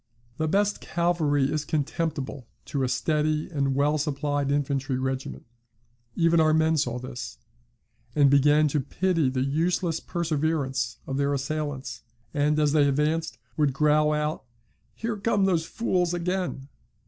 "The best cavalry is contemptible to a steady and well supplied infantry regiment; even our men saw this, and began to pity the useless perseverance of their assailants, and, as they advanced, would growl out, 'Here come these fools again!'